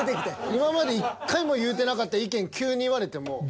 今まで１回も言うてなかった意見急に言われても。